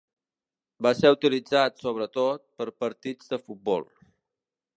Va ser utilitzat, sobretot, per partits de futbol.